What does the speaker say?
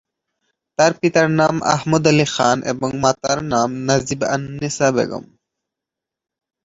তাঁর পিতার নাম আহমদ আলী খান এবং মাতার নাম নাজিব আন-নিসা বেগম।